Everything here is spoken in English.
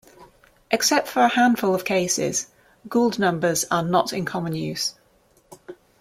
Except for a handful of cases, Gould numbers are not in common use.